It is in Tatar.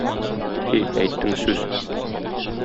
Һи, әйттең сүз!